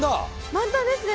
満タンですね。